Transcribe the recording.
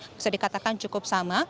bisa dikatakan cukup sama